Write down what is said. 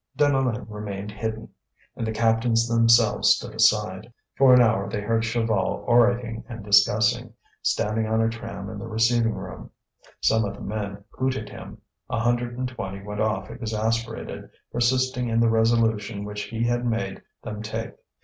Deneulin remained hidden, and the captains themselves stood aside. For an hour they heard Chaval orating and discussing, standing on a tram in the receiving room. Some of the men hooted him; a hundred and twenty went off exasperated, persisting in the resolution which he had made them take.